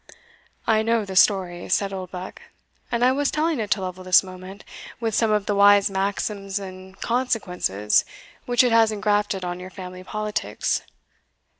"I know the story," said Oldbuck, "and I was telling it to Lovel this moment, with some of the wise maxims and consequences which it has engrafted on your family politics.